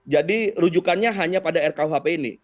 jadi rujukannya hanya pada rkuhp ini